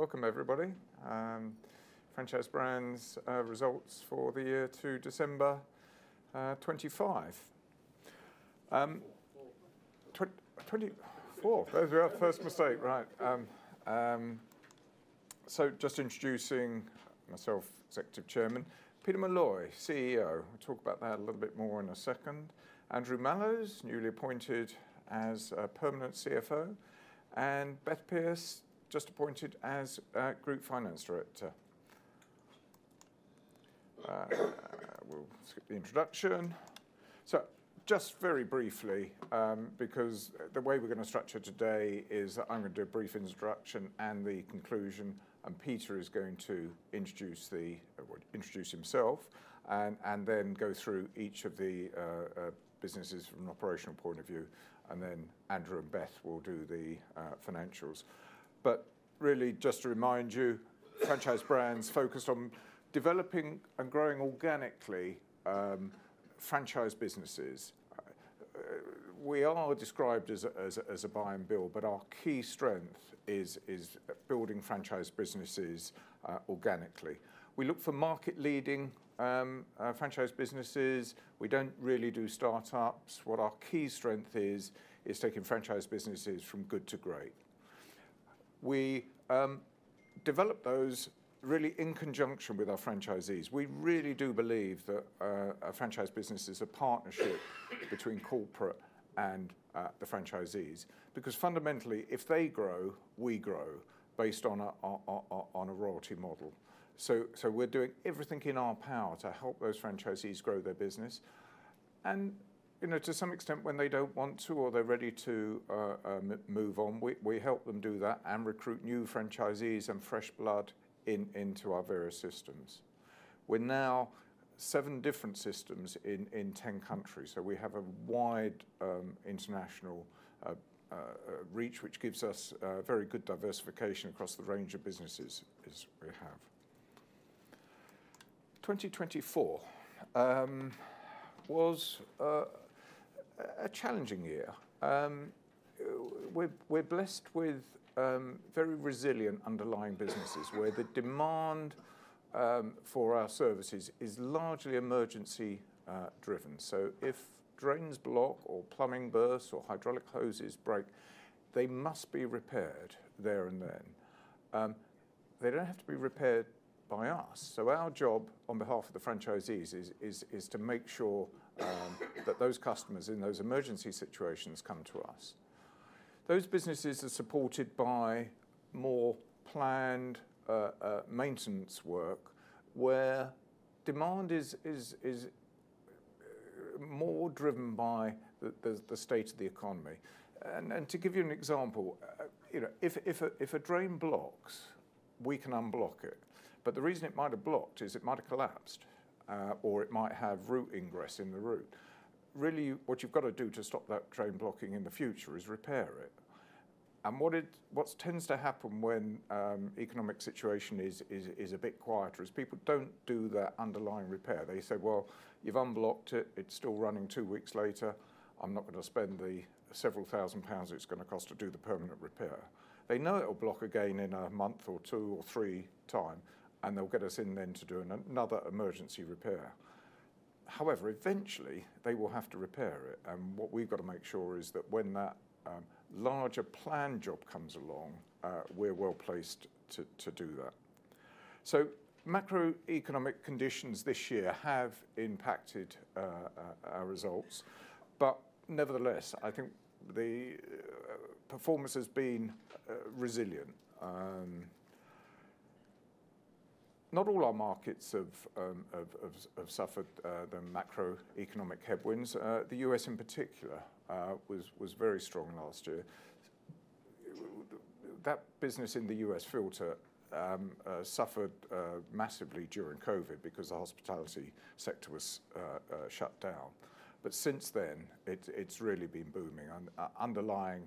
Welcome, everybody. Franchise Brands results for the year to December 25, 2024, those were our first mistake, right? Just introducing myself, Executive Chairman, Peter Molloy, CEO. We'll talk about that a little bit more in a second. Andrew Mallows, newly appointed as a permanent CFO, and Beth Peace, just appointed as Group Finance Director. We'll skip the introduction. Just very briefly, because the way we're going to structure today is I'm going to do a brief introduction and the conclusion, and Peter is going to introduce himself and then go through each of the businesses from an operational point of view, and then Andrew and Beth will do the financials. Really, just to remind you, Franchise Brands focused on developing and growing organically franchise businesses. We are described as a buy and build, but our key strength is building franchise businesses organically. We look for market-leading franchise businesses. We do not really do start-ups. What our key strength is, is taking franchise businesses from good to great. We develop those really in conjunction with our franchisees. We really do believe that a franchise business is a partnership between corporate and the franchisees, because fundamentally, if they grow, we grow based on a royalty model. We are doing everything in our power to help those franchisees grow their business. To some extent, when they do not want to or they are ready to move on, we help them do that and recruit new franchisees and fresh blood into our various systems. We are now seven different systems in 10 countries, so we have a wide international reach, which gives us very good diversification across the range of businesses we have. 2024 was a challenging year. We're blessed with very resilient underlying businesses where the demand for our services is largely emergency-driven. If drains block or plumbing bursts or hydraulic hoses break, they must be repaired there and then. They don't have to be repaired by us. Our job on behalf of the franchisees is to make sure that those customers in those emergency situations come to us. Those businesses are supported by more planned maintenance work where demand is more driven by the state of the economy. To give you an example, if a drain blocks, we can unblock it. The reason it might have blocked is it might have collapsed or it might have root ingress in the root. Really, what you've got to do to stop that drain blocking in the future is repair it. What tends to happen when the economic situation is a bit quieter is people do not do the underlying repair. They say, "Well, you have unblocked it. It is still running two weeks later. I am not going to spend the several thousand GBP it is going to cost to do the permanent repair." They know it will block again in a month or two or three time, and they will get us in then to do another emergency repair. However, eventually, they will have to repair it. What we have to make sure is that when that larger planned job comes along, we are well placed to do that. Macroeconomic conditions this year have impacted our results, but nevertheless, I think the performance has been resilient. Not all our markets have suffered the macroeconomic headwinds. The U.S., in particular, was very strong last year. That business in the U.S. Filta suffered massively during COVID because the hospitality sector was shut down. Since then, it's really been booming. Underlying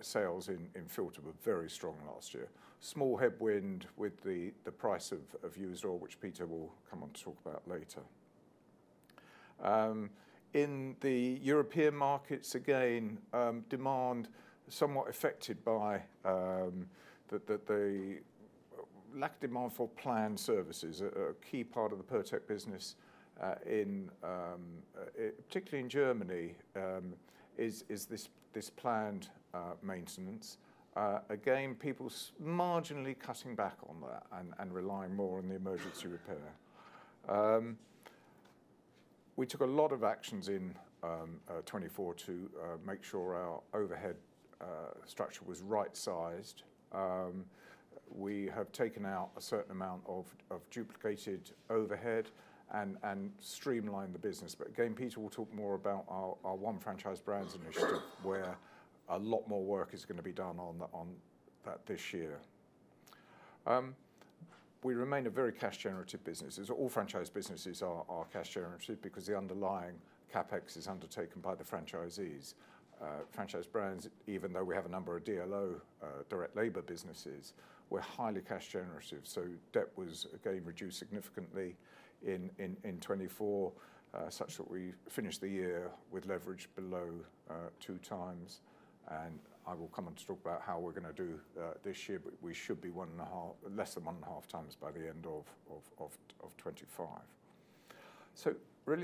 sales in Filta were very strong last year. Small headwind with the price of used oil, which Peter will come on to talk about later. In the European markets, again, demand somewhat affected by the lack of demand for planned services. A key part of the Pirtek business, particularly in Germany, is this planned maintenance. Again, people marginally cutting back on that and relying more on the emergency repair. We took a lot of actions in 2024 to make sure our overhead structure was right-sized. We have taken out a certain amount of duplicated overhead and streamlined the business. Again, Peter will talk more about our One Franchise Brands initiative, where a lot more work is going to be done on that this year. We remain a very cash-generative business. All franchise businesses are cash-generative because the underlying CapEx is undertaken by the franchisees. Franchise Brands, even though we have a number of DLO direct labor businesses, we're highly cash-generative. Debt was, again, reduced significantly in 2024, such that we finished the year with leverage below two times. I will come on to talk about how we're going to do this year, but we should be less than one and a half times by the end of 2025.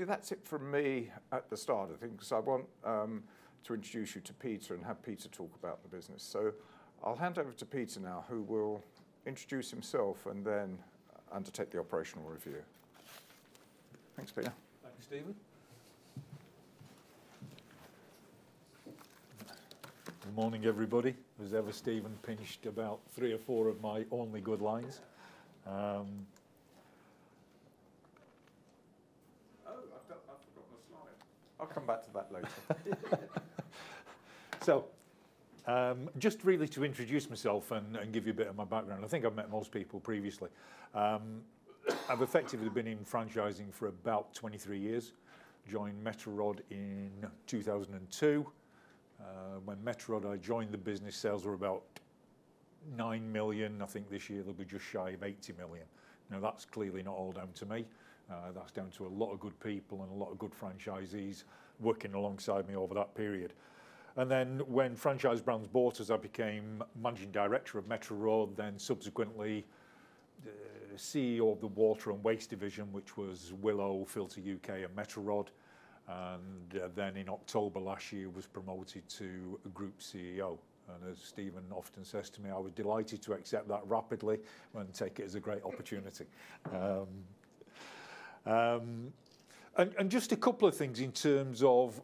That is it from me at the start, I think, because I want to introduce you to Peter and have Peter talk about the business. I'll hand over to Peter now, who will introduce himself and then undertake the operational review. Thanks, Peter. Thank you, Stephen. Good morning, everybody. Was ever Stephen pinched about three or four of my only good lines? Oh, I've forgotten a slide. I'll come back to that later. Just really to introduce myself and give you a bit of my background, I think I've met most people previously. I've effectively been in franchising for about 23 years. Joined Metro Rod in 2002. When Metro Rod, I joined the business, sales were about 9 million. I think this year they'll be just shy of 80 million. Now, that's clearly not all down to me. That's down to a lot of good people and a lot of good franchisees working alongside me over that period. When Franchise Brands bought us, I became Managing Director of Metro Rod, then subsequently CEO of the Water and Waste Division, which was Willow Pumps, Filta UK, and Metro Rod. In October last year, I was promoted to Group CEO. As Stephen often says to me, I was delighted to accept that rapidly and take it as a great opportunity. Just a couple of things in terms of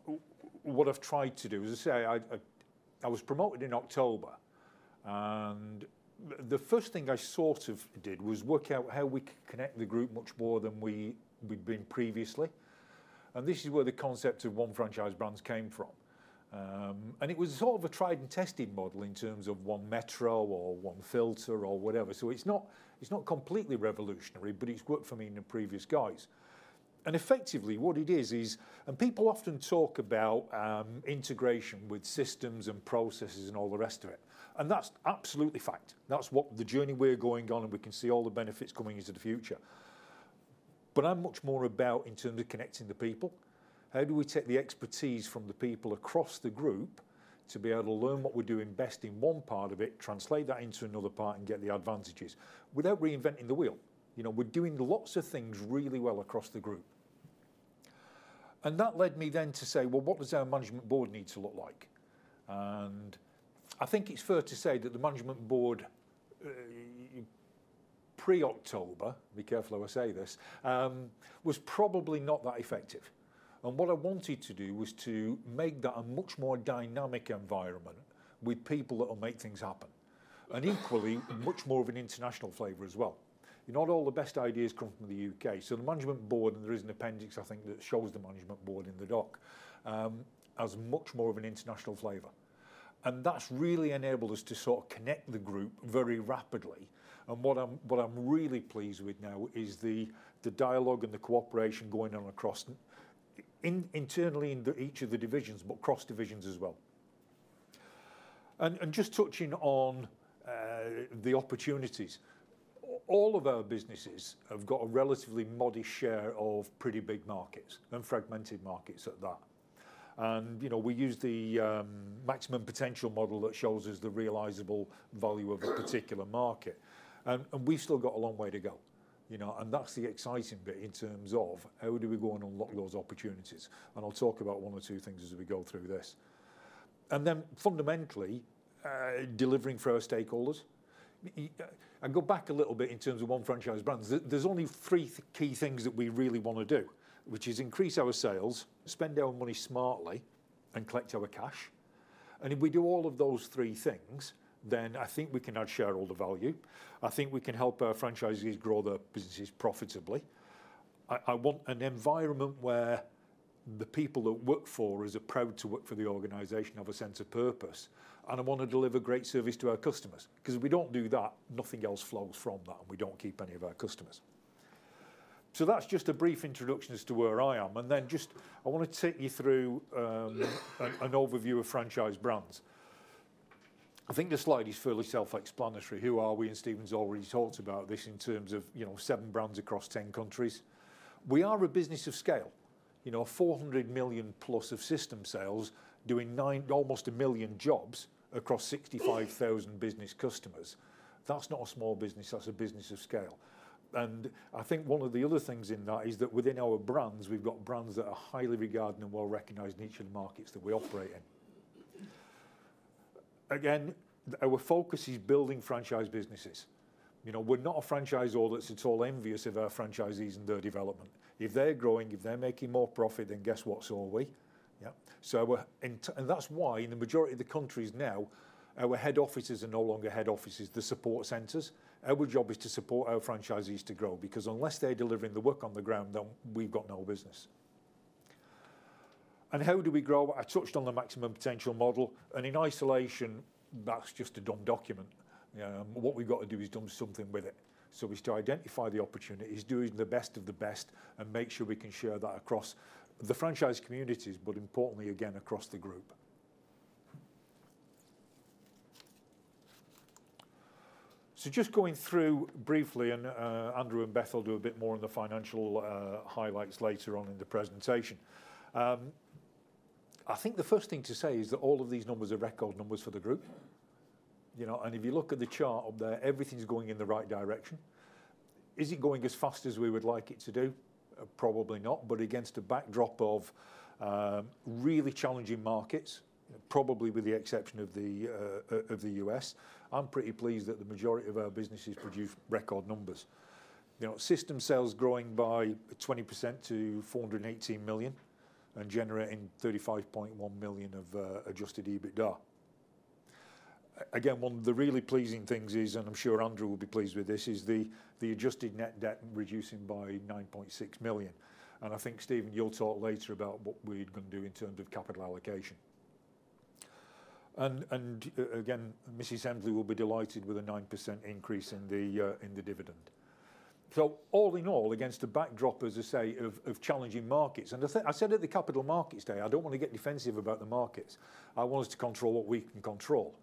what I've tried to do. As I say, I was promoted in October. The first thing I sort of did was work out how we could connect the group much more than we'd been previously. This is where the concept of One Franchise Brands came from. It was sort of a tried and tested model in terms of One Metro or One Filta or whatever. It's not completely revolutionary, but it's worked for me in the previous guys. Effectively, what it is, is people often talk about integration with systems and processes and all the rest of it. That's absolutely fact. That's the journey we're going on, and we can see all the benefits coming into the future. I'm much more about in terms of connecting the people. How do we take the expertise from the people across the group to be able to learn what we're doing best in one part of it, translate that into another part, and get the advantages without reinventing the wheel? We're doing lots of things really well across the group. That led me then to say, what does our management board need to look like? I think it's fair to say that the management board pre-October, be careful how I say this, was probably not that effective. What I wanted to do was to make that a much more dynamic environment with people that will make things happen. Equally, much more of an international flavor as well. Not all the best ideas come from the U.K. The management board, and there is an appendix, I think, that shows the management board in the doc, has much more of an international flavor. That has really enabled us to sort of connect the group very rapidly. What I am really pleased with now is the dialogue and the cooperation going on internally in each of the divisions, but cross divisions as well. Just touching on the opportunities, all of our businesses have got a relatively modest share of pretty big markets and fragmented markets at that. We use the maximum potential model that shows us the realizable value of a particular market. We have still got a long way to go. That is the exciting bit in terms of how do we go and unlock those opportunities. I'll talk about one or two things as we go through this. Fundamentally, delivering for our stakeholders. I go back a little bit in terms of One Franchise Brands. There are only three key things that we really want to do, which is increase our sales, spend our money smartly, and collect our cash. If we do all of those three things, then I think we can add shareholder value. I think we can help our franchisees grow their businesses profitably. I want an environment where the people that work for us are proud to work for the organization, have a sense of purpose. I want to deliver great service to our customers. Because if we do not do that, nothing else flows from that, and we do not keep any of our customers. That is just a brief introduction as to where I am. I want to take you through an overview of Franchise Brands. I think the slide is fairly self-explanatory. Who are we? Stephen's already talked about this in terms of seven brands across 10 countries. We are a business of scale, 400 million plus of system sales, doing almost 1 million jobs across 65,000 business customers. That's not a small business. That's a business of scale. I think one of the other things in that is that within our brands, we've got brands that are highly regarded and well recognized in each of the markets that we operate in. Again, our focus is building franchise businesses. We're not a franchise audit. It's all envious of our franchisees and their development. If they're growing, if they're making more profit, then guess what, so are we. Yeah. That is why in the majority of the countries now, our head offices are no longer head offices, they are support centers. Our job is to support our franchisees to grow, because unless they are delivering the work on the ground, then we have no business. How do we grow? I touched on the maximum potential model. In isolation, that is just a dumb document. What we have to do is do something with it. We still identify the opportunities, doing the best of the best, and make sure we can share that across the franchise communities, but importantly, again, across the group. Just going through briefly, Andrew and Beth will do a bit more on the financial highlights later on in the presentation. I think the first thing to say is that all of these numbers are record numbers for the group. If you look at the chart up there, everything's going in the right direction. Is it going as fast as we would like it to do? Probably not. Against a backdrop of really challenging markets, probably with the exception of the U.S., I'm pretty pleased that the majority of our businesses produce record numbers. System sales growing by 20% to 418 million and generating 35.1 million of adjusted EBITDA. Again, one of the really pleasing things is, and I'm sure Andrew will be pleased with this, is the adjusted net debt reducing by 9.6 million. I think, Stephen, you'll talk later about what we're going to do in terms of capital allocation. Mrs. Hemsley will be delighted with a 9% increase in the dividend. All in all, against a backdrop, as I say, of challenging markets. I said at the Capital Markets Day, I don't want to get defensive about the markets. I want us to control what we can control.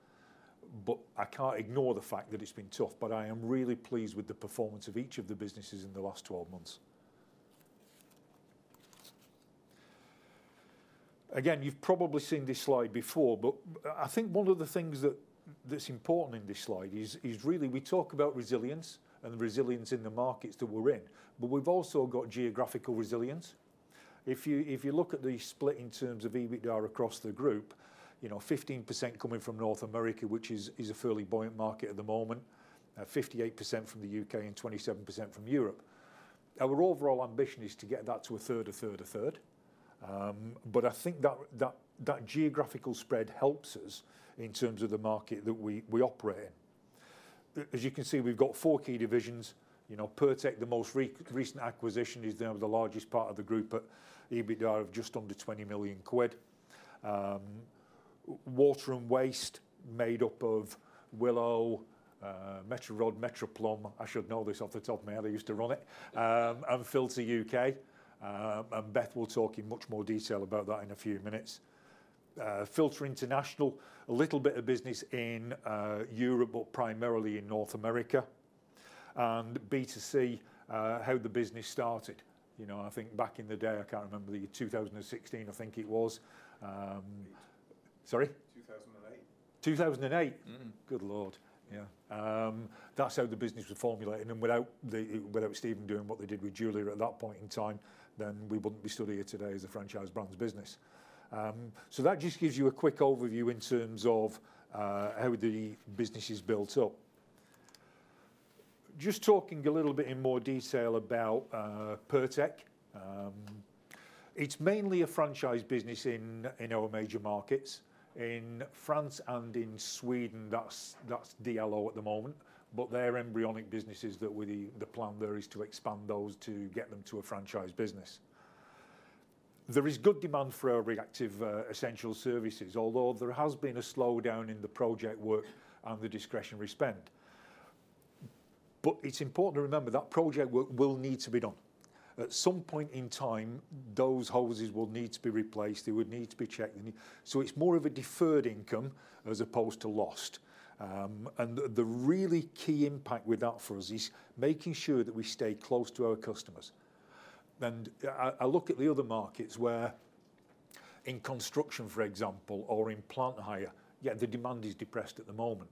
I can't ignore the fact that it's been tough, but I am really pleased with the performance of each of the businesses in the last 12 months. You've probably seen this slide before, but I think one of the things that's important in this slide is really we talk about resilience and the resilience in the markets that we're in. We've also got geographical resilience. If you look at the split in terms of EBITDA across the group, 15% coming from North America, which is a fairly buoyant market at the moment, 58% from the U.K., and 27% from Europe. Our overall ambition is to get that to a third, a third, a third. I think that geographical spread helps us in terms of the market that we operate in. As you can see, we've got four key divisions. Pirtek, the most recent acquisition, is now the largest part of the group at EBITDA of just under 20 million quid. Water and Waste made up of Willow Pumps, Metro Rod, Metro Plumb. I should know this off the top of my head. I used to run it. And Filta UK. Beth will talk in much more detail about that in a few minutes. Filta International, a little bit of business in Europe, but primarily in North America. B2C, how the business started. I think back in the day, I can't remember the 2016, I think it was. Sorry? 2008. 2008? Good Lord. Yeah. That's how the business was formulated. Without Stephen doing what they did with Julia at that point in time, we wouldn't be still here today as a Franchise Brands business. That just gives you a quick overview in terms of how the business is built up. Just talking a little bit in more detail about Pirtek, it's mainly a franchise business in our major markets. In France and in Sweden, that's DLO at the moment. They're embryonic businesses and the plan there is to expand those to get them to a franchise business. There is good demand for our reactive essential services, although there has been a slowdown in the project work and the discretionary spend. It's important to remember that project work will need to be done. At some point in time, those hoses will need to be replaced. They would need to be checked. It's more of a deferred income as opposed to lost. The really key impact with that for us is making sure that we stay close to our customers. I look at the other markets where in construction, for example, or in plant hire, the demand is depressed at the moment.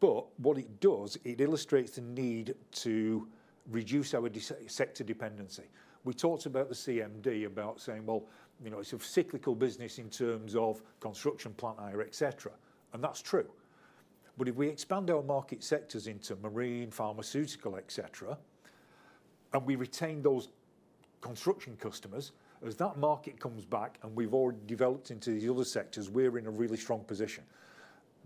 What it does, it illustrates the need to reduce our sector dependency. We talked at the CMD about saying, it's a cyclical business in terms of construction, plant hire, etc. That's true. If we expand our market sectors into marine, pharmaceutical, etc., and we retain those construction customers, as that market comes back and we've already developed into these other sectors, we're in a really strong position.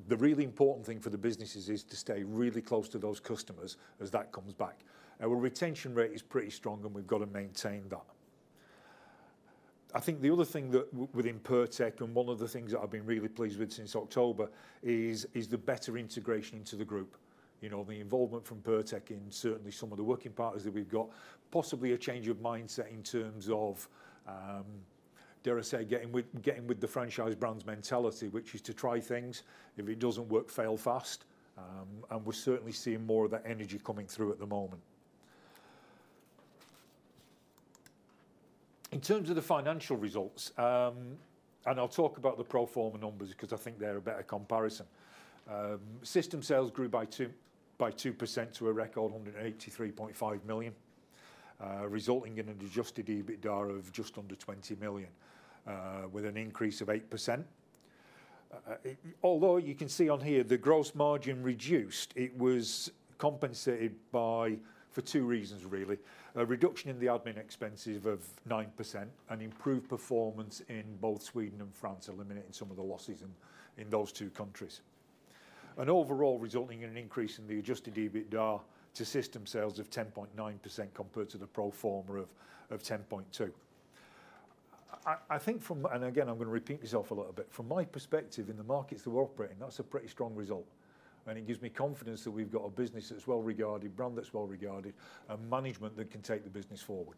The really important thing for the businesses is to stay really close to those customers as that comes back. Our retention rate is pretty strong, and we've got to maintain that. I think the other thing within Pirtek and one of the things that I've been really pleased with since October is the better integration into the group. The involvement from Pirtek in certainly some of the working partners that we've got, possibly a change of mindset in terms of, dare I say, getting with the Franchise Brands mentality, which is to try things. If it doesn't work, fail fast. We are certainly seeing more of that energy coming through at the moment. In terms of the financial results, and I'll talk about the pro forma numbers because I think they're a better comparison. System sales grew by 2% to a record 183.5 million, resulting in an adjusted EBITDA of just under 20 million, with an increase of 8%. Although you can see on here the gross margin reduced, it was compensated for two reasons, really. A reduction in the admin expenses of 9% and improved performance in both Sweden and France, eliminating some of the losses in those two countries. Overall, resulting in an increase in the adjusted EBITDA to system sales of 10.9% compared to the pro forma of 10.2%. Again, I'm going to repeat myself a little bit. From my perspective, in the markets that we're operating, that's a pretty strong result. It gives me confidence that we've got a business that's well regarded, brand that's well regarded, and management that can take the business forward.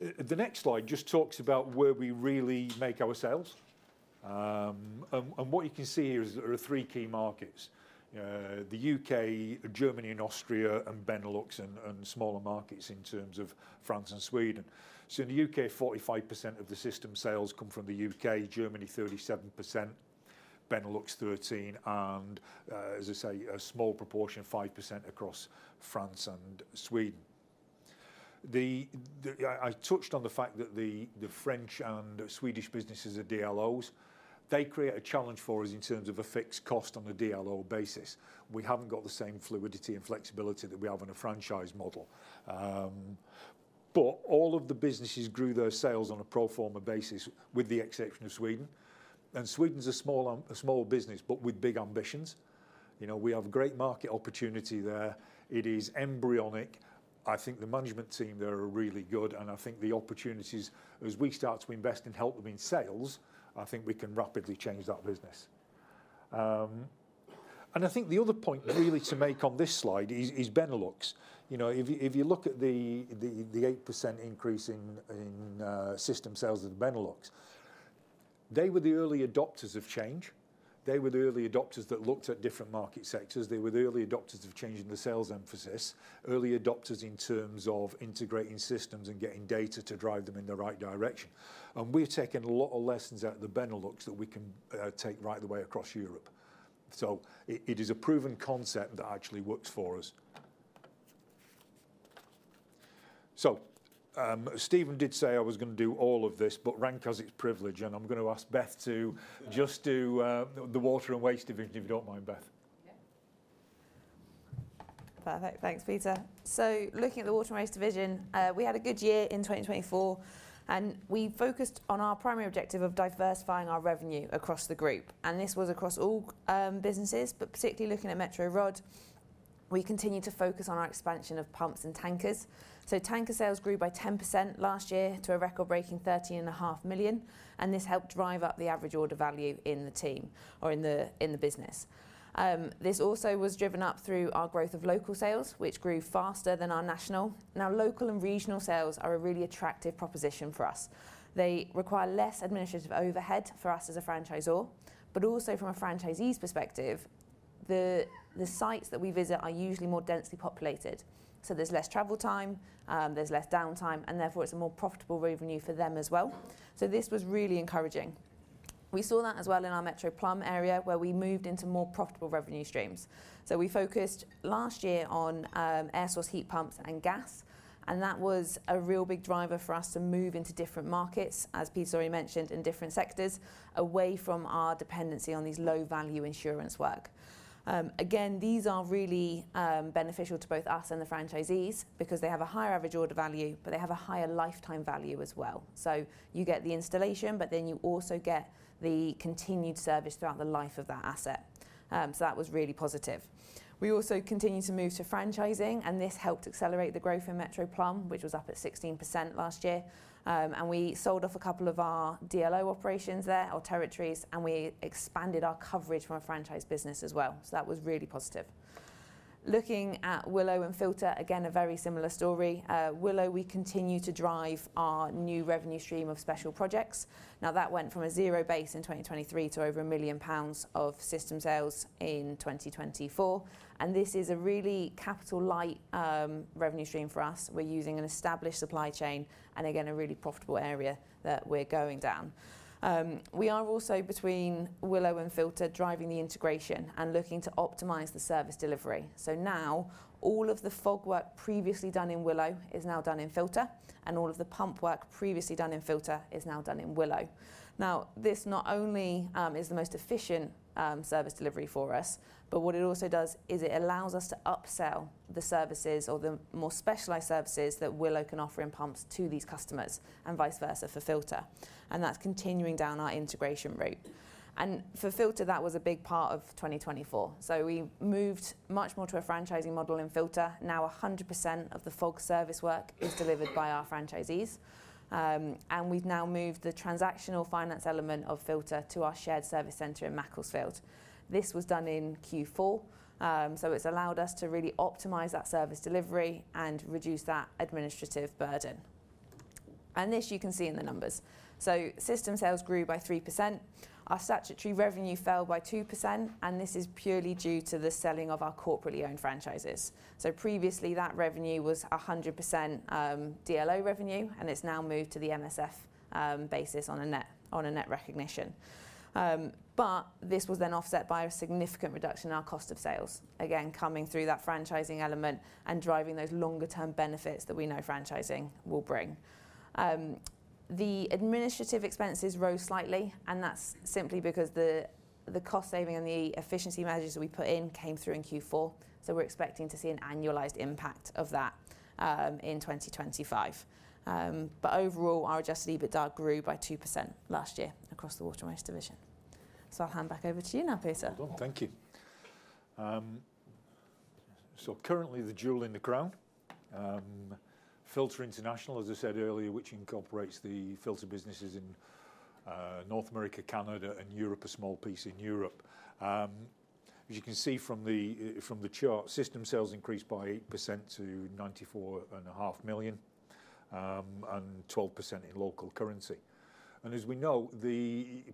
The next slide just talks about where we really make our sales. What you can see here is there are three key markets: the U.K., Germany, and Austria, and Benelux and smaller markets in terms of France and Sweden. In the U.K., 45% of the system sales come from the U.K., Germany, 37%, Benelux 13%, and, as I say, a small proportion, 5% across France and Sweden. I touched on the fact that the French and Swedish businesses are DLOs. They create a challenge for us in terms of a fixed cost on a DLO basis. We have not got the same fluidity and flexibility that we have in a franchise model. All of the businesses grew their sales on a pro forma basis, with the exception of Sweden. Sweden is a small business, but with big ambitions. We have great market opportunity there. It is embryonic. I think the management team there are really good. I think the opportunities, as we start to invest and help them in sales, I think we can rapidly change that business. I think the other point really to make on this slide is Benelux. If you look at the 8% increase in system sales at Benelux, they were the early adopters of change. They were the early adopters that looked at different market sectors. They were the early adopters of changing the sales emphasis, early adopters in terms of integrating systems and getting data to drive them in the right direction. We are taking a lot of lessons out of the Benelux that we can take right the way across Europe. It is a proven concept that actually works for us. Stephen did say I was going to do all of this, but rank as its privilege. I'm going to ask Beth to just do the Water and Waste division, if you don't mind, Beth. Perfect. Thanks, Peter. Looking at the Water and Waste division, we had a good year in 2024. We focused on our primary objective of diversifying our revenue across the group. This was across all businesses, particularly looking at Filta. We continued to focus on our expansion of pumps and tankers. Tanker sales grew by 10% last year to a record-breaking 13.5 million. This helped drive up the average order value in the team or in the business. This also was driven up through our growth of local sales, which grew faster than our national. Local and regional sales are a really attractive proposition for us. They require less administrative overhead for us as a franchisor. Also, from a franchisee's perspective, the sites that we visit are usually more densely populated. There is less travel time, there is less downtime, and therefore it is a more profitable revenue for them as well. This was really encouraging. We saw that as well in our Metro Plumb area, where we moved into more profitable revenue streams. We focused last year on air source heat pumps and gas. That was a real big driver for us to move into different markets, as Peter already mentioned, in different sectors, away from our dependency on these low-value insurance work. Again, these are really beneficial to both us and the franchisees because they have a higher average order value, but they have a higher lifetime value as well. You get the installation, but then you also get the continued service throughout the life of that asset. That was really positive. We also continued to move to franchising, and this helped accelerate the growth in Metro Plumb, which was up at 16% last year. We sold off a couple of our DLO operations there, our territories, and we expanded our coverage from a franchise business as well. That was really positive. Looking at Willow and Filta, again, a very similar story. Willow, we continue to drive our new revenue stream of special projects. That went from a zero base in 2023 to over 1 million pounds of system sales in 2024. This is a really capital-light revenue stream for us. We are using an established supply chain and, again, a really profitable area that we are going down. We are also between Willow and Filta driving the integration and looking to optimize the service delivery. All of the FOG work previously done in Willow is now done in Filta, and all of the pump work previously done in Filta is now done in Willow. This not only is the most efficient service delivery for us, but what it also does is it allows us to upsell the services or the more specialized services that Willow can offer in pumps to these customers and vice versa for Filta. That is continuing down our integration route. For Filta, that was a big part of 2024. We moved much more to a franchising model in Filta. Now 100% of the FOG service work is delivered by our franchisees. We have now moved the transactional finance element of Filta to our shared service center in Macclesfield. This was done in Q4. It has allowed us to really optimize that service delivery and reduce that administrative burden. You can see this in the numbers. System sales grew by 3%. Our statutory revenue fell by 2%, and this is purely due to the selling of our corporately owned franchises. Previously, that revenue was 100% DLO revenue, and it has now moved to the MSF basis on a net recognition. This was then offset by a significant reduction in our cost of sales, again, coming through that franchising element and driving those longer-term benefits that we know franchising will bring. The administrative expenses rose slightly, and that is simply because the cost saving and the efficiency measures that we put in came through in Q4. We are expecting to see an annualized impact of that in 2025. Overall, our adjusted EBITDA grew by 2% last year across the Water and Waste division. I'll hand back over to you now, Peter. Thank you. Currently, the jewel in the crown, Filta International, as I said earlier, which incorporates the Filta businesses in North America, Canada, and Europe, a small piece in Europe. As you can see from the chart, system sales increased by 8% to 94.5 million and 12% in local currency. As we know,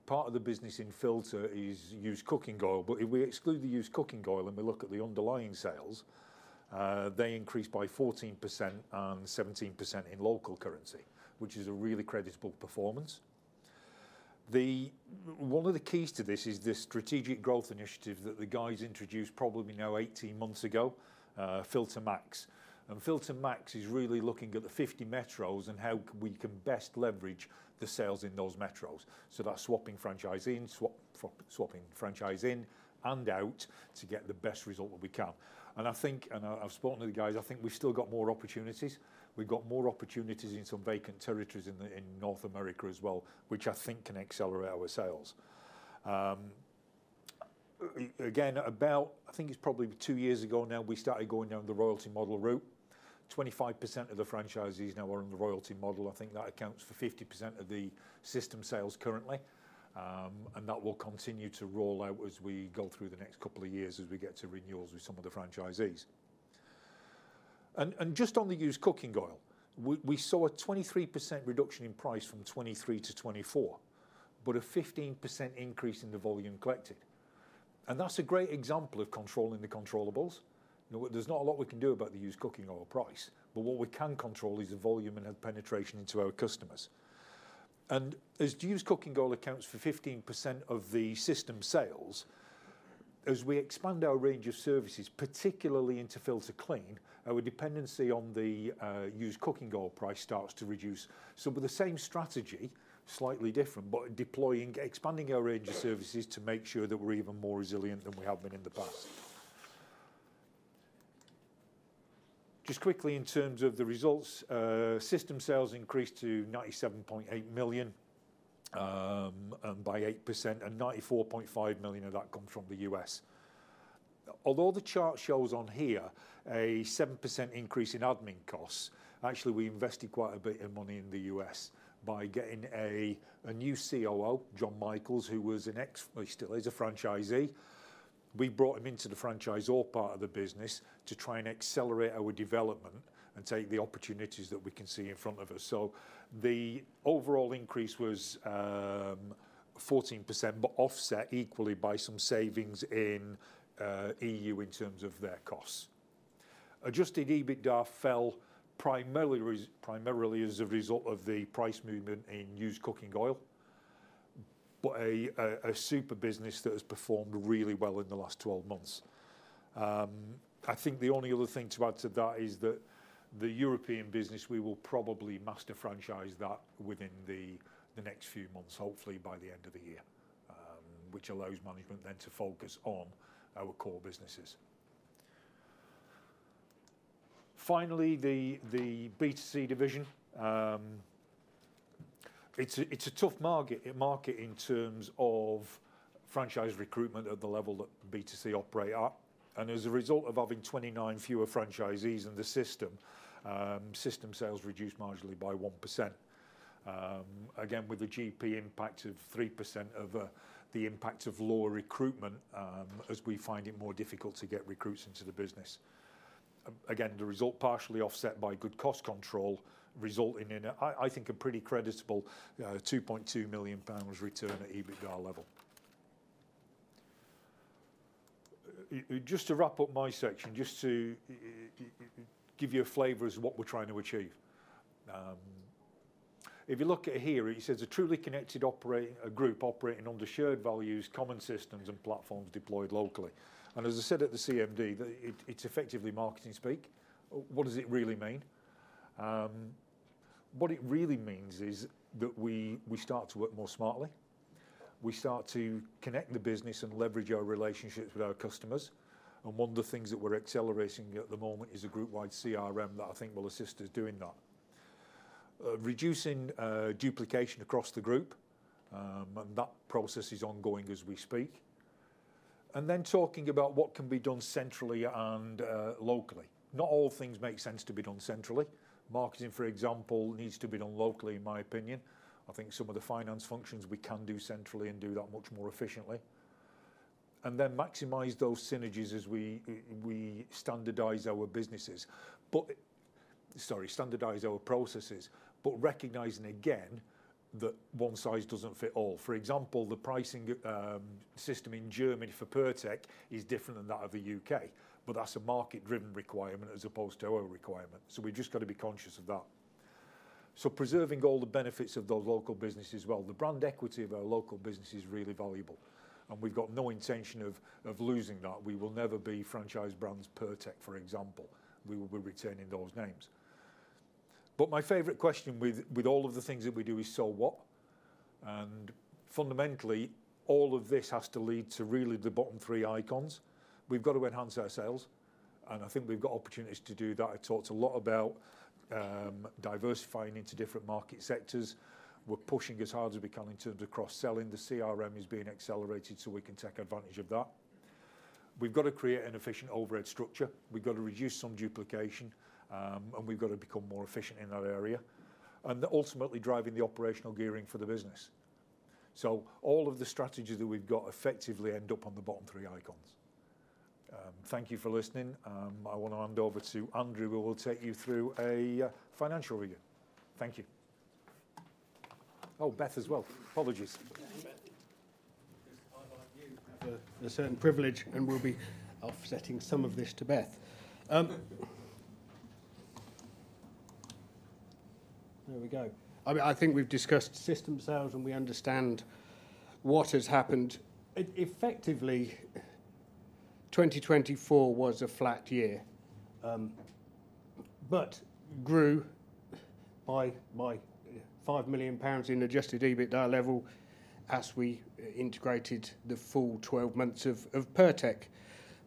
part of the business in Filta is used cooking oil. If we exclude the used cooking oil and we look at the underlying sales, they increased by 14% and 17% in local currency, which is a really creditable performance. One of the keys to this is the strategic growth initiative that the guys introduced probably now 18 months ago, FiltaMax. FiltaMax is really looking at the 50 metros and how we can best leverage the sales in those metros. That's swapping franchise in, swapping franchise in and out to get the best result that we can. I think, and I've spoken to the guys, I think we've still got more opportunities. We've got more opportunities in some vacant territories in North America as well, which I think can accelerate our sales. Again, about, I think it's probably two years ago now, we started going down the royalty model route. 25% of the franchisees now are on the royalty model. I think that accounts for 50% of the system sales currently. That will continue to roll out as we go through the next couple of years as we get to renewals with some of the franchisees. Just on the used cooking oil, we saw a 23% reduction in price from 2023 to 2024, but a 15% increase in the volume collected. That's a great example of controlling the controllables. There's not a lot we can do about the used cooking oil price, but what we can control is the volume and penetration into our customers. As used cooking oil accounts for 15% of the system sales, as we expand our range of services, particularly into Filta Clean, our dependency on the used cooking oil price starts to reduce. With the same strategy, slightly different, but expanding our range of services to make sure that we're even more resilient than we have been in the past. Just quickly in terms of the results, system sales increased to $97.8 million by 8%, and $94.5 million of that comes from the U.S. Although the chart shows on here a 7% increase in admin costs, actually we invested quite a bit of money in the U.S. by getting a new COO, John Michael, who was an ex, but he still is a franchisee. We brought him into the franchisor part of the business to try and accelerate our development and take the opportunities that we can see in front of us. The overall increase was 14%, but offset equally by some savings in the EU in terms of their costs. Adjusted EBITDA fell primarily as a result of the price movement in used cooking oil, but a super business that has performed really well in the last 12 months. I think the only other thing to add to that is that the European business, we will probably master franchise that within the next few months, hopefully by the end of the year, which allows management then to focus on our core businesses. Finally, the B2C division. It's a tough market in terms of franchise recruitment at the level that B2C operate at. As a result of having 29 fewer franchisees in the system, system sales reduced marginally by 1%. Again, with the GP impact of 3% of the impact of lower recruitment, as we find it more difficult to get recruits into the business. The result partially offset by good cost control, resulting in, I think, a pretty creditable 2.2 million pounds return at EBITDA level. Just to wrap up my section, just to give you a flavor as to what we're trying to achieve. If you look at here, it says a truly connected group operating under shared values, common systems and platforms deployed locally. As I said at the CMD, it's effectively marketing speak. What does it really mean? What it really means is that we start to work more smartly. We start to connect the business and leverage our relationships with our customers. One of the things that we're accelerating at the moment is a group-wide CRM that I think will assist us doing that. Reducing duplication across the group. That process is ongoing as we speak. Talking about what can be done centrally and locally. Not all things make sense to be done centrally. Marketing, for example, needs to be done locally, in my opinion. I think some of the finance functions we can do centrally and do that much more efficiently. Then maximize those synergies as we standardize our businesses. Sorry, standardize our processes, but recognizing again that one size doesn't fit all. For example, the pricing system in Germany for Pirtek is different than that of the U.K. That is a market-driven requirement as opposed to our requirement. We just have to be conscious of that. Preserving all the benefits of those local businesses as well. The brand equity of our local business is really valuable. We have no intention of losing that. We will never be Franchise Brands Pirtek, for example. We will be retaining those names. My favorite question with all of the things that we do is, so what? Fundamentally, all of this has to lead to really the bottom three icons. We have to enhance our sales. I think we have opportunities to do that. I talked a lot about diversifying into different market sectors. We're pushing as hard as we can in terms of cross-selling. The CRM is being accelerated so we can take advantage of that. We've got to create an efficient overhead structure. We've got to reduce some duplication. We've got to become more efficient in that area. Ultimately, driving the operational gearing for the business. All of the strategies that we've got effectively end up on the bottom three icons. Thank you for listening. I want to hand over to Andrew, who will take you through a financial review. Thank you. Oh, Beth as well. Apologies. Beth, I'll hand over to you. For a certain privilege, and we'll be offsetting some of this to Beth. There we go. I think we've discussed system sales, and we understand what has happened. Effectively, 2024 was a flat year, but grew by 5 million pounds in adjusted EBITDA level as we integrated the full 12 months of Pirtek.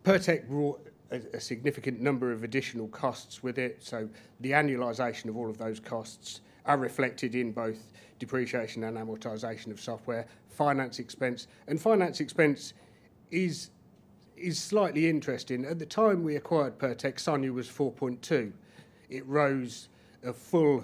Pirtek brought a significant number of additional costs with it. The annualization of all of those costs are reflected in both depreciation and amortization of software, finance expense. Finance expense is slightly interesting. At the time we acquired Pirtek, SONIA was 4.2. It rose a full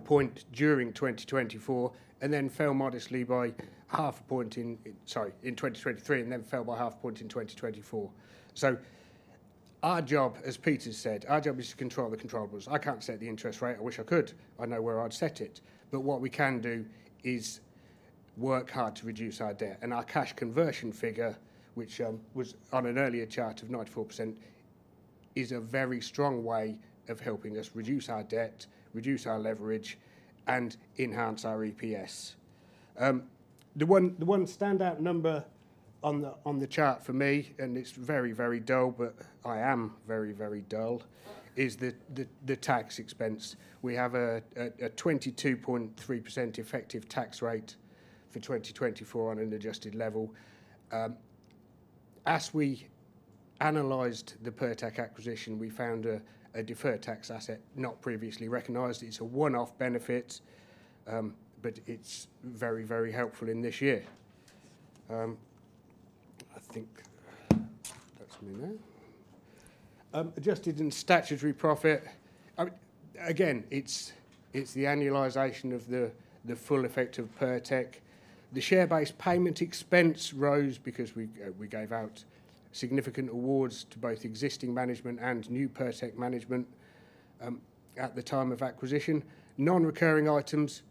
point during 2024 and then fell modestly by half a point in 2023 and then fell by half a point in 2024. Our job, as Peter said, our job is to control the controls. I can't set the interest rate. I wish I could. I know where I'd set it. What we can do is work hard to reduce our debt. Our cash conversion figure, which was on an earlier chart of 94%, is a very strong way of helping us reduce our debt, reduce our leverage, and enhance our EPS. The one standout number on the chart for me, and it's very, very dull, but I am very, very dull, is the tax expense. We have a 22.3% effective tax rate for 2024 on an adjusted level. As we analyzed the Pirtek acquisition, we found a deferred tax asset not previously recognized. It's a one-off benefit, but it's very, very helpful in this year. I think that's me now. Adjusted in statutory profit. Again, it's the annualization of the full effect of Pirtek. The share-based payment expense rose because we gave out significant awards to both existing management and new Pirtek management at the time of acquisition. Non-recurring items,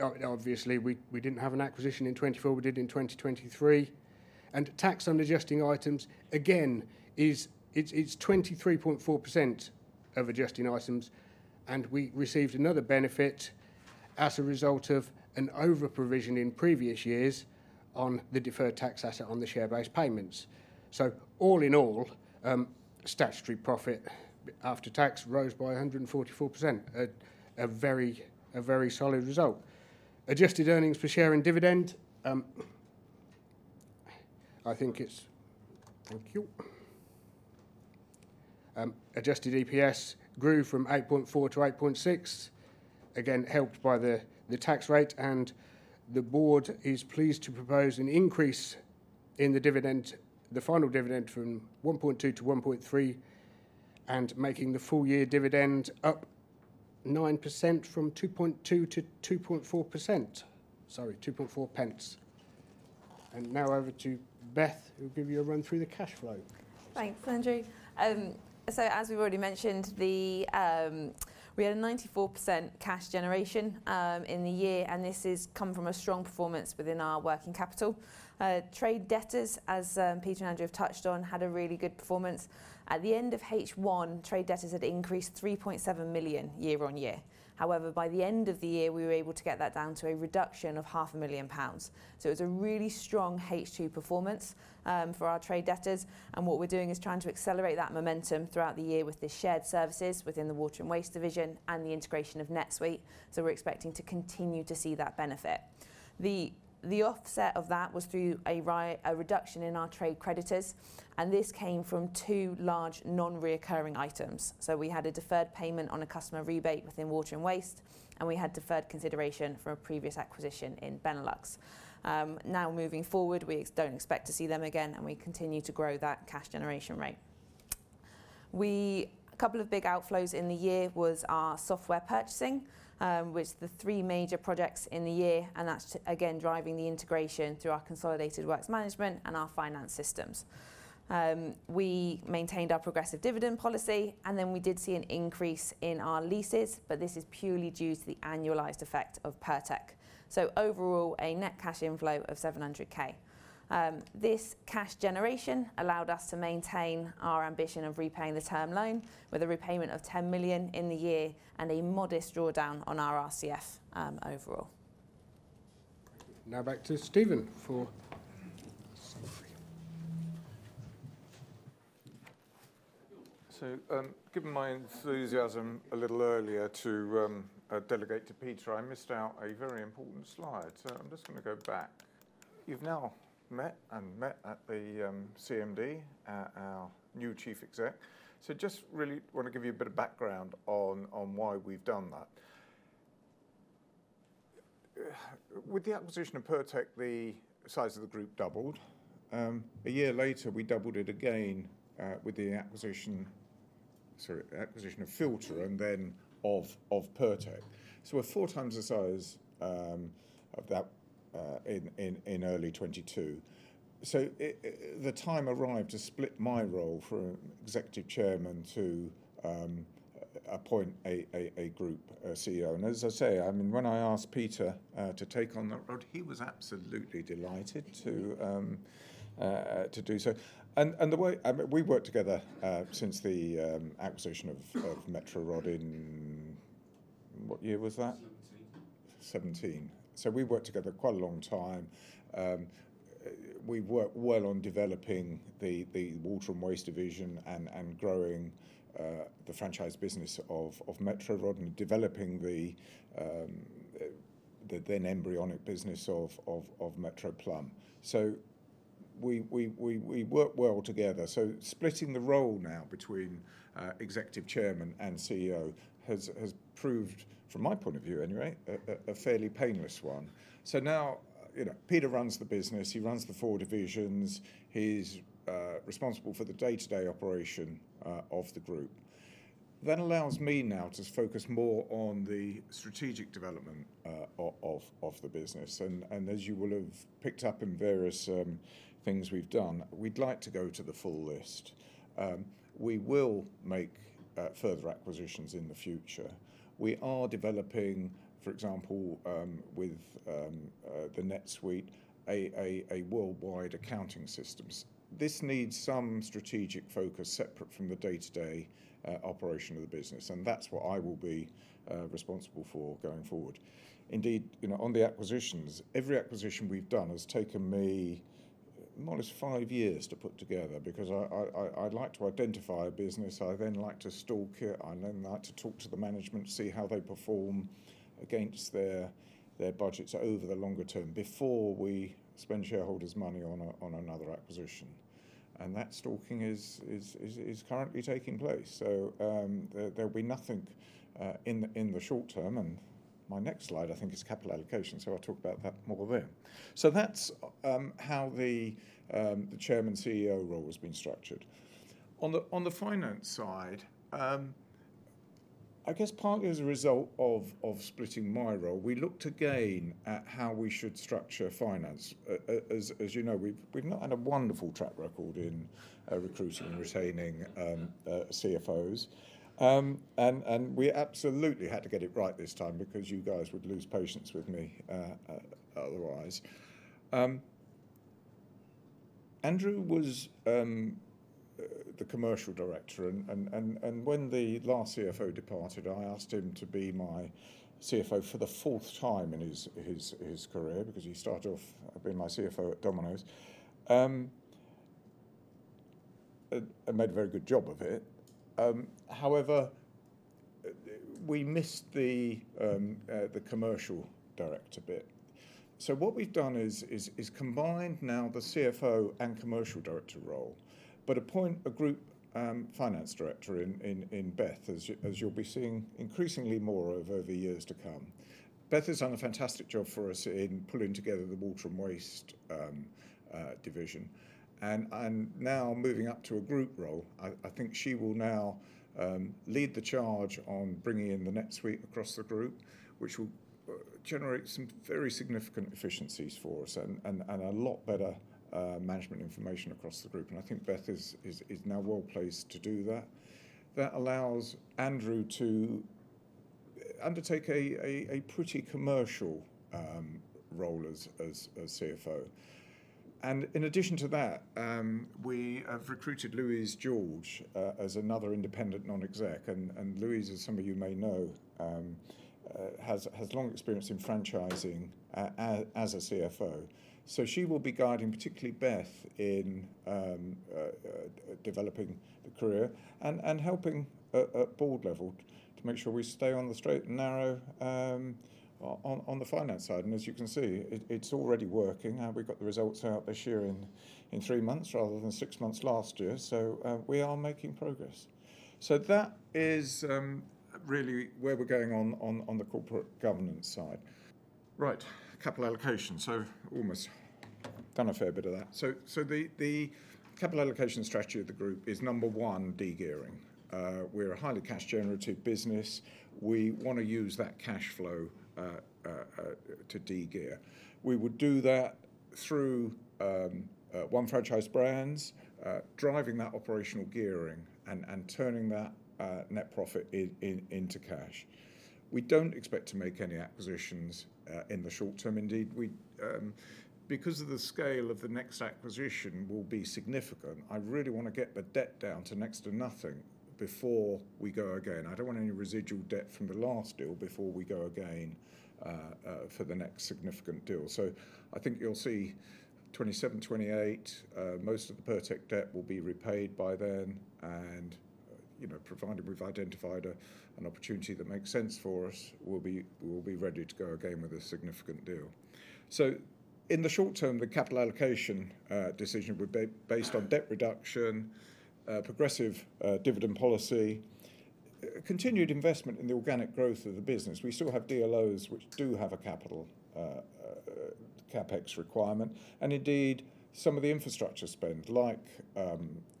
obviously, we did not have an acquisition in 2024. We did in 2023. Tax on adjusting items, again, it is 23.4% of adjusting items. We received another benefit as a result of an over-provision in previous years on the deferred tax asset on the share-based payments. All in all, statutory profit after tax rose by 144%, a very solid result. Adjusted earnings per share and dividend, I think it is thank you. Adjusted EPS grew from 8.4 to 8.6, again, helped by the tax rate. The board is pleased to propose an increase in the dividend, the final dividend from 1.2 to 1.3, making the full year dividend up 9% from 2.2 to GBP 2.4%. Sorry, 2.4 pence. Now over to Beth, who will give you a run through the cash flow. Thanks, Andrew. As we've already mentioned, we had a 94% cash generation in the year, and this has come from a strong performance within our working capital. Trade debtors, as Peter and Andrew have touched on, had a really good performance. At the end of H1, trade debtors had increased 3.7 million year on year. However, by the end of the year, we were able to get that down to a reduction of 500,000 pounds. It was a really strong H2 performance for our trade debtors. What we're doing is trying to accelerate that momentum throughout the year with the shared services within the Water and Waste division and the integration of NetSuite. We're expecting to continue to see that benefit. The offset of that was through a reduction in our trade creditors. This came from two large non-recurring items. We had a deferred payment on a customer rebate within Water and Waste, and we had deferred consideration for a previous acquisition in Benelux. Now moving forward, we do not expect to see them again, and we continue to grow that cash generation rate. A couple of big outflows in the year was our software purchasing, which is the three major projects in the year. That is, again, driving the integration through our consolidated works management and our finance systems. We maintained our progressive dividend policy, and we did see an increase in our leases, but this is purely due to the annualized effect of Pirtek. Overall, a net cash inflow of 700,000. This cash generation allowed us to maintain our ambition of repaying the term loan with a repayment of 10 million in the year and a modest drawdown on our RCF overall. Thank you. Now back to Stephen for summary. Given my enthusiasm a little earlier to delegate to Peter, I missed out a very important slide. I'm just going to go back. You've now met and met at the CMD, our new Chief Exec. I just really want to give you a bit of background on why we've done that. With the acquisition of Pirtek, the size of the group doubled. A year later, we doubled it again with the acquisition of Filta and then of Pirtek. We are four times the size of that in early 2022. The time arrived to split my role from Executive Chairman to appoint a Group CEO. As I say, I mean, when I asked Peter to take on that role, he was absolutely delighted to do so. We worked together since the acquisition of Metro Rod in what year was that? '17. '17. We worked together quite a long time. We worked well on developing the Water and Waste division and growing the franchise business of Metro Rod and developing the then embryonic business of Metro Plumb. We worked well together. Splitting the role now between Executive Chairman and CEO has proved, from my point of view anyway, a fairly painless one. Now Peter runs the business. He runs the four divisions. He is responsible for the day-to-day operation of the group. That allows me now to focus more on the strategic development of the business. As you will have picked up in various things we have done, we would like to go to the full list. We will make further acquisitions in the future. We are developing, for example, with NetSuite, a worldwide accounting system. This needs some strategic focus separate from the day-to-day operation of the business. That's what I will be responsible for going forward. Indeed, on the acquisitions, every acquisition we've done has taken me a modest five years to put together because I like to identify a business. I then like to stalk it. I then like to talk to the management, see how they perform against their budgets over the longer term before we spend shareholders' money on another acquisition. That stalking is currently taking place. There'll be nothing in the short term. My next slide, I think, is capital allocation. I'll talk about that more there. That's how the Chairman-CEO role has been structured. On the finance side, I guess partly as a result of splitting my role, we looked again at how we should structure finance. As you know, we've not had a wonderful track record in recruiting and retaining CFOs. We absolutely had to get it right this time because you guys would lose patience with me otherwise. Andrew was the Commercial Director. When the last CFO departed, I asked him to be my CFO for the fourth time in his career because he started off being my CFO at Domino's. He made a very good job of it. However, we missed the Commercial Director bit. What we have done is combine now the CFO and Commercial Director role, but appoint a Group Finance Director in Beth, as you will be seeing increasingly more of over the years to come. Beth has done a fantastic job for us in pulling together the Water and Waste division. Now moving up to a group role, I think she will now lead the charge on bringing in the NetSuite across the group, which will generate some very significant efficiencies for us and a lot better management information across the group. I think Beth is now well placed to do that. That allows Andrew to undertake a pretty commercial role as CFO. In addition to that, we have recruited Louise George as another independent non-exec. Louise, as some of you may know, has long experience in franchising as a CFO. She will be guiding particularly Beth in developing the career and helping at board level to make sure we stay on the straight and narrow on the finance side. As you can see, it's already working. We've got the results out this year in three months rather than six months last year. We are making progress. That is really where we're going on the corporate governance side. Right, capital allocation. Almost done a fair bit of that. The capital allocation strategy of the group is number one, degearing. We're a highly cash-generative business. We want to use that cash flow to degear. We would do that through Franchise Brands, driving that operational gearing and turning that net profit into cash. We do not expect to make any acquisitions in the short term. Indeed, because the scale of the next acquisition will be significant, I really want to get the debt down to next to nothing before we go again. I do not want any residual debt from the last deal before we go again for the next significant deal. I think you'll see 2027, 2028, most of the Pirtek debt will be repaid by then. Provided we have identified an opportunity that makes sense for us, we will be ready to go again with a significant deal. In the short term, the capital allocation decision would be based on debt reduction, progressive dividend policy, continued investment in the organic growth of the business. We still have DLOs which do have a capital CapEx requirement. Indeed, some of the infrastructure spend, like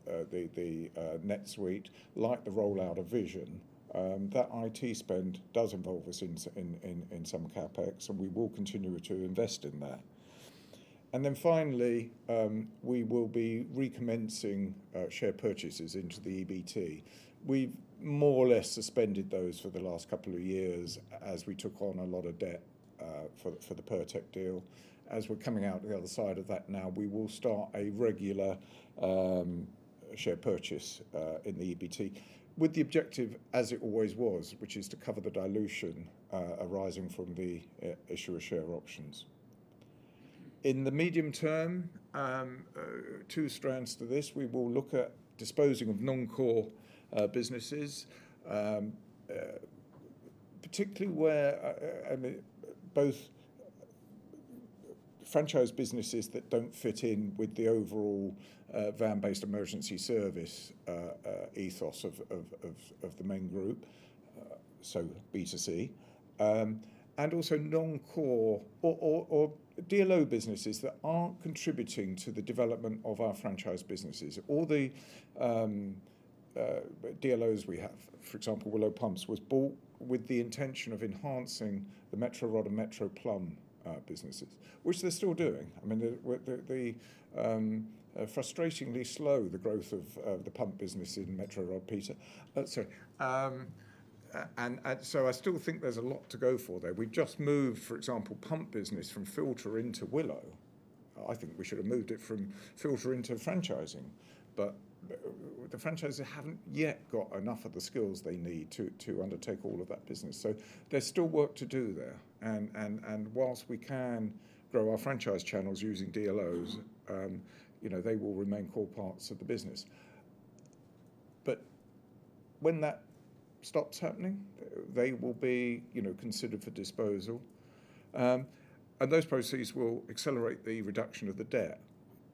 NetSuite, like the rollout of Vision, that IT spend does involve us in some CapEx. We will continue to invest in that. Finally, we will be recommencing share purchases into the EBT. We have more or less suspended those for the last couple of years as we took on a lot of debt for the Pirtek deal. As we're coming out the other side of that now, we will start a regular share purchase in the EBT with the objective, as it always was, which is to cover the dilution arising from the issuer share options. In the medium term, two strands to this. We will look at disposing of non-core businesses, particularly where both franchise businesses that don't fit in with the overall van-based emergency service ethos of the main group, so B2C, and also non-core or DLO businesses that aren't contributing to the development of our franchise businesses. All the DLOs we have, for example, Willow Pumps, was bought with the intention of enhancing the Metro Rod and Metro Plumb businesses, which they're still doing. I mean, they're frustratingly slow, the growth of the pump business in Metro Rod, Peter. Sorry. I still think there's a lot to go for there. We've just moved, for example, pump business from Filta into Willow. I think we should have moved it from Filta into franchising. The franchisers haven't yet got enough of the skills they need to undertake all of that business. There is still work to do there. Whilst we can grow our franchise channels using DLOs, they will remain core parts of the business. When that stops happening, they will be considered for disposal. Those processes will accelerate the reduction of the debt.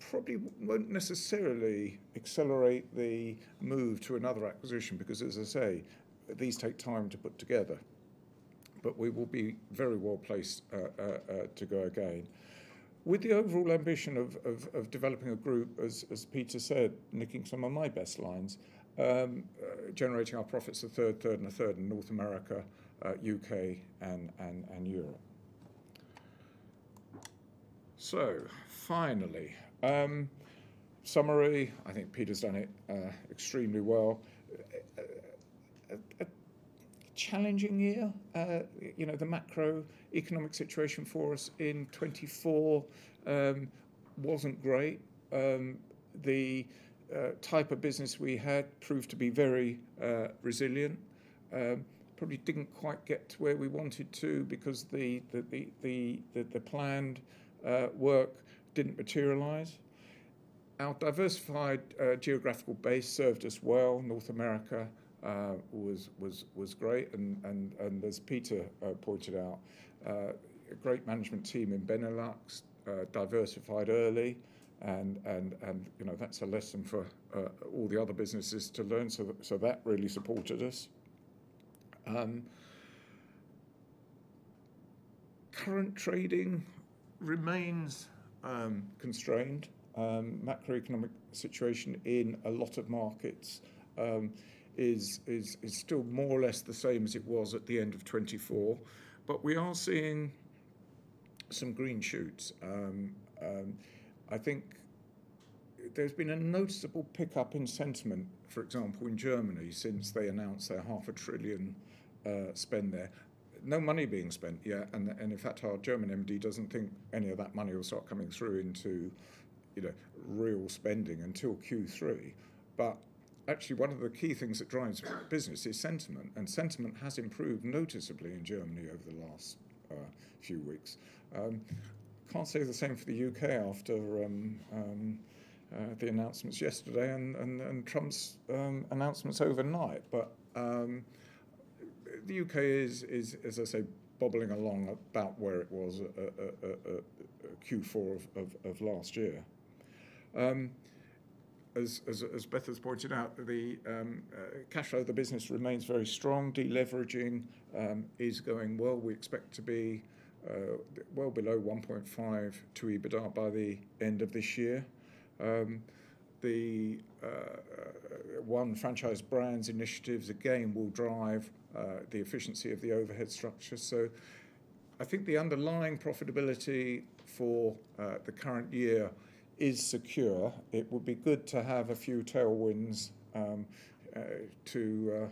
It probably won't necessarily accelerate the move to another acquisition because, as I say, these take time to put together. We will be very well placed to go again with the overall ambition of developing a group, as Peter said, nicking some of my best lines, generating our profits of third, third, and third in North America, U.K., and Europe. Finally, summary, I think Peter's done it extremely well. Challenging year. The macroeconomic situation for us in 2024 was not great. The type of business we had proved to be very resilient. Probably did not quite get to where we wanted to because the planned work did not materialize. Our diversified geographical base served us well. North America was great. As Peter pointed out, a great management team in Benelux, diversified early. That is a lesson for all the other businesses to learn. That really supported us. Current trading remains constrained. Macroeconomic situation in a lot of markets is still more or less the same as it was at the end of 2024. We are seeing some green shoots. I think there has been a noticeable pickup in sentiment, for example, in Germany since they announced their half a trillion spend there. No money being spent yet. In fact, our German MD does not think any of that money will start coming through into real spending until Q3. Actually, one of the key things that drives business is sentiment. Sentiment has improved noticeably in Germany over the last few weeks. I cannot say the same for the U.K. after the announcements yesterday and Trump's announcements overnight. The U.K. is, as I say, bubbling along about where it was Q4 of last year. As Beth has pointed out, the cash flow of the business remains very strong. Deleveraging is going well. We expect to be well below 1.5 to EBITDA by the end of this year. The one Franchise Brands initiatives again will drive the efficiency of the overhead structure. I think the underlying profitability for the current year is secure. It would be good to have a few tailwinds to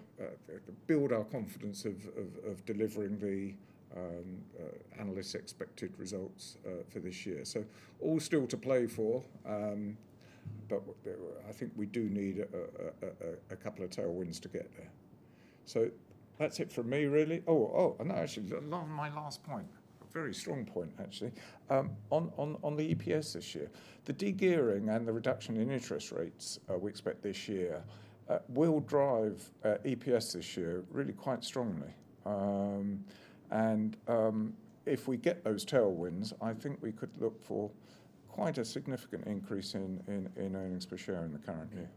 build our confidence of delivering the analysts' expected results for this year. All still to play for. I think we do need a couple of tailwinds to get there. That is it for me, really. Oh, and that actually is my last point, a very strong point, actually. On the EPS this year, the degearing and the reduction in interest rates we expect this year will drive EPS this year really quite strongly. If we get those tailwinds, I think we could look for quite a significant increase in earnings per share in the current year.